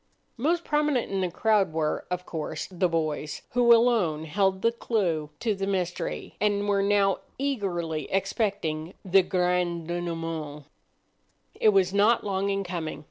Most prominent in the crowd were, of course, the boys, who alone held the clue to the mystery, and were now eagerly expecting the grand denouement. It was not long in coming.